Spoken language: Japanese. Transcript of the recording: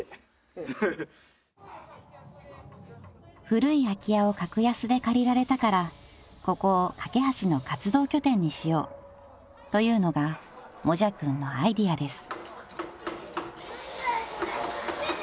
［古い空き家を格安で借りられたからここをかけはしの活動拠点にしようというのがもじゃくんのアイデアです］